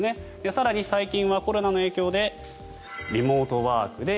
更に最近はコロナの影響でリモートワークで